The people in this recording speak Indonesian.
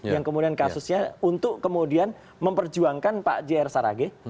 yang kemudian kasusnya untuk kemudian memperjuangkan pak c r saraghe